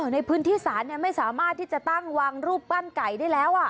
ในพื้นที่ศาลไม่สามารถที่จะตั้งวางรูปปั้นไก่ได้แล้ว